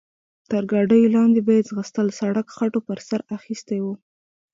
تر ګاډیو لاندې به یې ځغستل، سړک خټو پر سر اخیستی و.